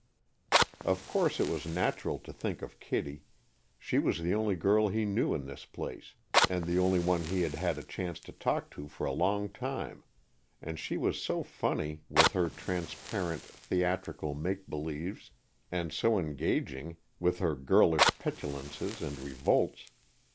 Of course it was natural to think of Kittie, she was the only girl he knew in this place, and the only one he had had a chance to talk to for a long time, and she was so funny, with her transparent, theatrical make believes, and so engaging, with her girlish petulances and revolts!